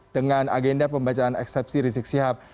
dengan agenda pembacaan eksepsi rizik sihab